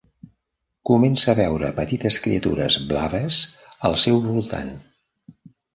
Comença a veure petites criatures blaves al seu voltant.